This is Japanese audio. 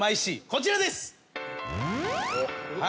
こちらです。